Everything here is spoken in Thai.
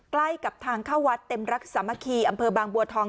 ใกล้กับทางเข้าวัดเต็มรักสามัคคีอำเภอบางบัวทอง